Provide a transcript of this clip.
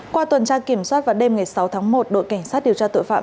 qua tuần tra kiểm soát vào đêm ngày sáu tháng một đội cảnh sát điều tra tội phạm